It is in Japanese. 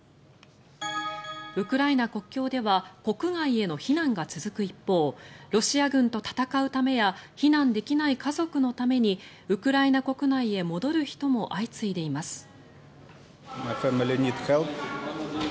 ウクライナ国境では国外への避難が続く一方ロシア軍と戦うためや避難できない家族のためにウクライナ国内へ戻る人も相次いでいます。